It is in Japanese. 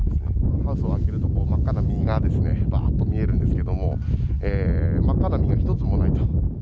ハウスを開けると真っ赤な実がばっと見えるんですけども、真っ赤な実が一つもないと。